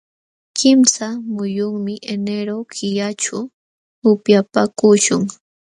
Kimsa muyunmi enero killaćhu upyapaakuśhun.